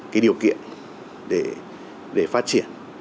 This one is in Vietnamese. cái điều kiện để phát triển